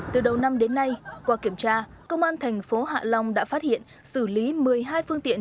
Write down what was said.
từ đầu năm đến nay qua kiểm tra công an thành phố hạ long đã phát hiện xử lý một mươi hai phương tiện